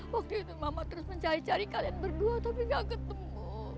waktu itu mama terus mencari cari kalian berdua tapi gak ketemu